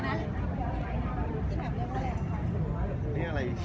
แม่กับผู้วิทยาลัย